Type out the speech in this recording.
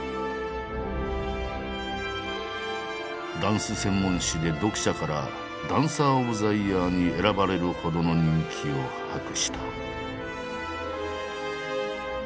ダンス専門誌で読者から「ダンサー・オブ・ザ・イヤー」に選ばれるほどの人気を博した。